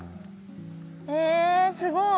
えすごい。